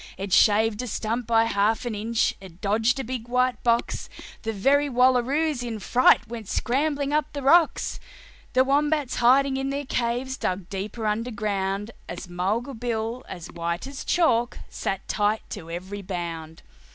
It shaved a stump by half an inch, it dodged a big white box: The very wallaroos in fright went scrambling up the rocks, The wombats hiding in their caves dug deeper underground, But Mulga Bill, as white as chalk, clung tight to every bound.